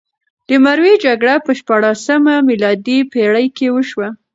د مروې جګړه په شپاړلسمه میلادي پېړۍ کې وشوه.